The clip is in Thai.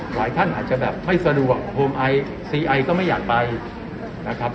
หลายท่านอาจจะแบบไม่สะดวกโฮมไอซีไอก็ไม่อยากไปนะครับ